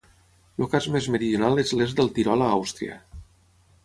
El cas més meridional és l'est del Tirol a Àustria.